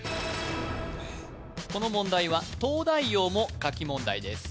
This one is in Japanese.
この問題は東大王も書き問題です